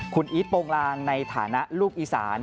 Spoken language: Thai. คุณอีทโปรงลางในฐานะลูกอีสาน